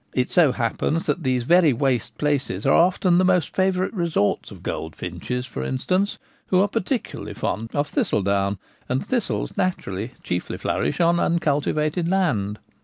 It so happens that these very waste places are often the most favourite resorts of goldfinches, for instance, who are particularly fond of thistledown, and thistles naturally chiefly flourish on uncultivated land.